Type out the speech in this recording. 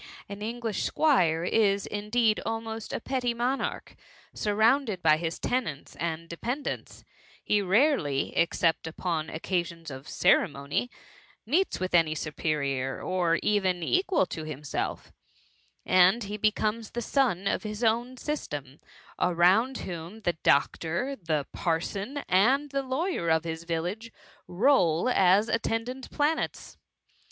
An English ^Squire is indeed almost a petty mcmarch : surrounded by his tenants and de pendants^ he rarely, except upon occasions of ceremony, meets with any superior, or even equal to himself; and he becomes the sun of his own system, around whom the doctor, the parson, and the lawyer of his village, roll as attendant planets.